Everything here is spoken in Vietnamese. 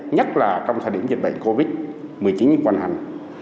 nhất là trong thời điểm dịch bệnh covid một mươi chín hoành hành